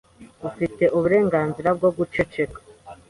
Ufite uburenganzira bwo guceceka.